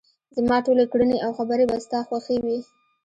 زما ټولې کړنې او خبرې به ستا خوښې وي.